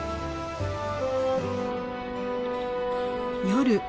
夜。